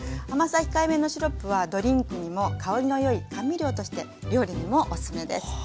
甘さ控えめのシロップはドリンクにも香りの良い甘味料として料理にもおすすめです。